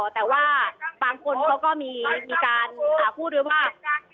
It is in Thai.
แต่ว่าบางคนเขาก็มีการหาพูดด้วยว่า